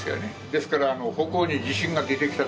ですから。